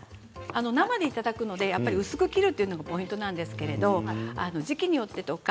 生でいただくので薄く切るのがポイントなんですけれども時期によってとか